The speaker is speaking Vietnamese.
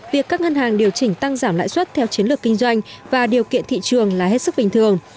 việc các ngân hàng điều chỉnh tăng giảm lãi suất theo chiến lược kinh doanh và điều kiện thị trường là hết sức bình thường